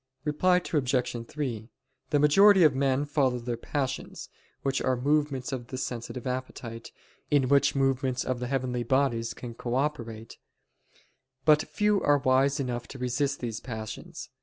Reply Obj. 3: The majority of men follow their passions, which are movements of the sensitive appetite, in which movements of the heavenly bodies can cooperate: but few are wise enough to resist these passions.